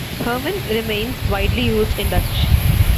"Herman" remains widely used in Dutch.